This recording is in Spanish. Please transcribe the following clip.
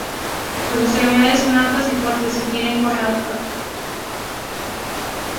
Sus extremidades son altas y fuertes y tienen con articulaciones grandes.